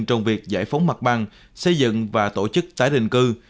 trong việc giải phóng mặt bằng xây dựng và tổ chức tái định cư